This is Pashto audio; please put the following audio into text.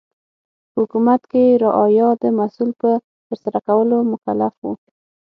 په حکومت کې رعایا د محصول په ترسره کولو مکلف و.